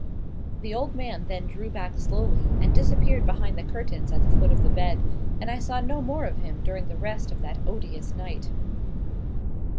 The old man then drew back slowly, and disappeared behind the curtains at the foot of the bed, and I saw no more of him during the rest of that odious night.